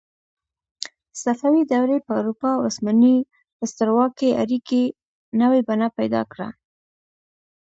صفوي دورې په اروپا او عثماني سترواکۍ اړیکې نوې بڼه پیدا کړه.